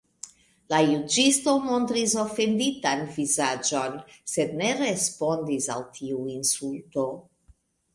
La juĝisto montris ofenditan vizaĝon, sed ne respondis al tiu insulto.